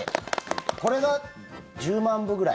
これが１０万部ぐらい？